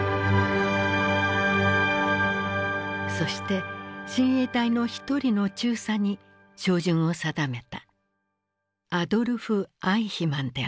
そして親衛隊の一人の中佐に照準を定めた。